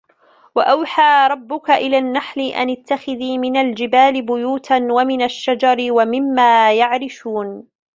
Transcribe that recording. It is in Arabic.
وأوحى ربك إلى النحل أن اتخذي من الجبال بيوتا ومن الشجر ومما يعرشون